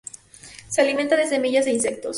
Se alimentan de semillas e insectos.